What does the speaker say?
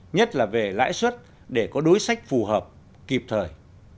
nhất là về lãi suất để có đối sách phù hợp kịp thời